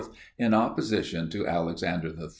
in opposition to Alexander III.